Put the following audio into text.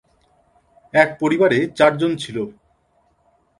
এক পরিবারে চারজন ছিল।